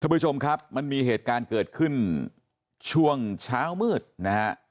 ผู้ชมครับมันมีเหตุการณ์เกิดขึ้นช่วงเช้ามืดนะฮะ